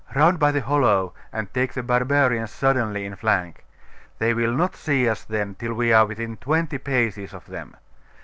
Round by the hollow, and take the barbarians suddenly in flank. They will not see us then till we are within twenty paces of them.